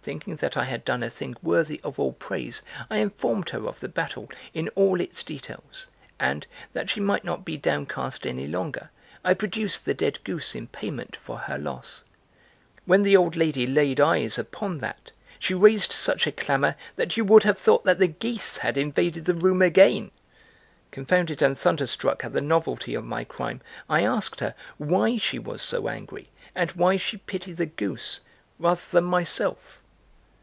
Thinking that I had done a thing worthy of all praise, I informed her of the battle in all its details and, that she might not be downcast any longer, I produced the dead goose in payment for her loss. When the old lady laid eyes upon that, she raised such a clamor that you would have thought that the geese had invaded the room again. Confounded and thunderstruck at the novelty of my crime, I asked her why she was so angry and why she pitied the goose rather than myself.